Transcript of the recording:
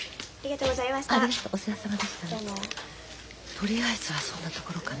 とりあえずはそんなところかな。